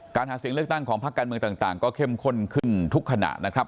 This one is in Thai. หาเสียงเลือกตั้งของภาคการเมืองต่างก็เข้มข้นขึ้นทุกขณะนะครับ